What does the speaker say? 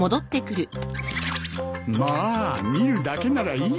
まあ見るだけならいいか。